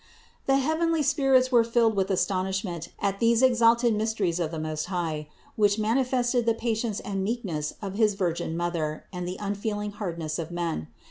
The heavenly spirits were filled with astonishment at these exalted mysteries of the Most High, which mani fested the patience and meekness of his Virgin Mother and the unfeeling hardness of men.